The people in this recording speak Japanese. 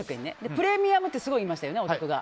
プレミアムってすごい言いましたよね、お宅が。